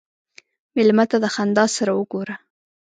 مېلمه ته د خندا سره وګوره.